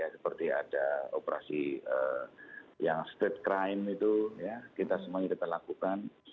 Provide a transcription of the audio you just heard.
seperti ada operasi yang state crime itu kita semuanya kita lakukan